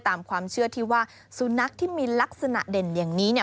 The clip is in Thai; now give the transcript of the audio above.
ตามความเชื่อที่ว่าสุนัขที่มีลักษณะเด่นอย่างนี้เนี่ย